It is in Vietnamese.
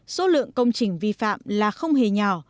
số lượng công trình vi phạm là không hề nhỏ